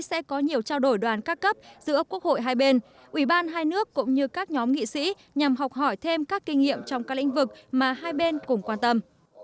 sẽ có nhiều trao đổi đoàn các cấp giữa quốc hội hai bên ủy ban hai nước cũng như các nhóm nghị sĩ nhằm học hỏi thêm các kinh nghiệm trong các lĩnh vực mà hai bên cùng quan tâm